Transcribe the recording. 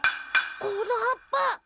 この葉っぱ。